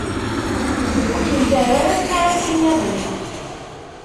Ur kem-terra ara tmara ad tiniḍ ih.